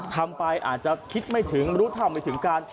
ทำไปอาจจะคิดไม่ถึงรู้เท่าไม่ถึงการ